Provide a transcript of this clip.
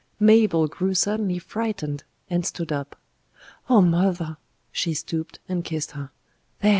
Mabel grew suddenly frightened, and stood up. "Oh! mother!" She stooped and kissed her. "There!